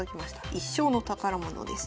一生の宝物です。